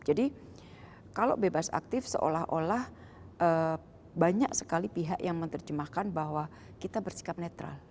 jadi kalau bebas aktif seolah olah banyak sekali pihak yang menerjemahkan bahwa kita bersikap netral